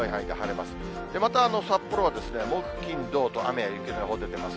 また札幌は木、金、土と、雨や雪の予報出てます。